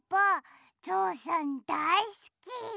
ぞうさんだいすき！